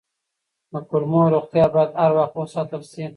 د کولمو روغتیا باید هر وخت وساتل شي.